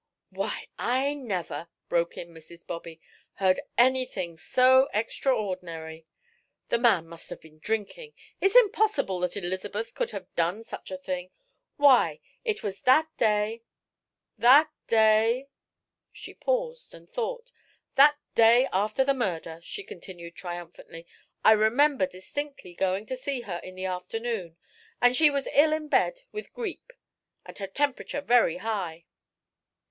"Why, I never," broke in Mrs. Bobby, "heard anything so extraordinary. The man must have been drinking. It's impossible that Elizabeth could have done such a thing. Why, it was that day that day" she paused and thought "that day after the murder," she continued, triumphantly, "I remember distinctly going to see her in the afternoon, and she was ill in bed with grippe, and her temperature very high."